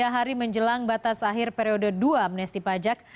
tiga hari menjelang batas akhir periode dua amnesti pajak